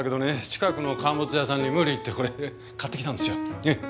近くの乾物屋さんに無理言ってこれ買ってきたんですよ。